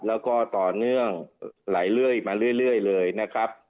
แล้วก็ต่อเนื่องไหลเรื่อยมาเรื่อยเลยนะครับ